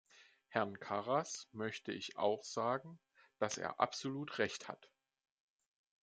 Herrn Karas möchte ich auch sagen, dass er absolut Recht hat.